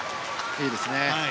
いいですね。